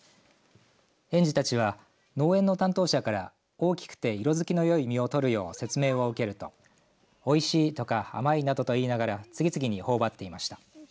園児たちは農園の担当者から大きくて色づきのいい実を取るよう説明を受けると、おいしいとか甘いなどと言いながら次々にほおばっていました。